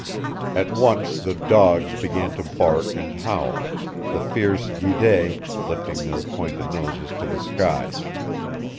At once the dogs began to bark and howl, the fierce giddés lifting their pointed noses to the sky.